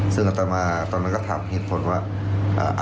ซึ่งอัตมาตอนนั้นก็ถามเหตุผลว่า